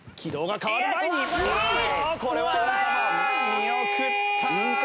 見送った！